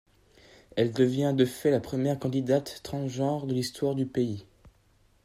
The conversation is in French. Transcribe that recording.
Elle devient de fait la première candidate transgenre de l'histoire du pays.